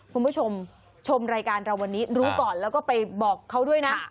คุณผู้ชมชมรายการเราวันนี้รู้ก่อนแล้วก็ไปบอกเขาด้วยนะ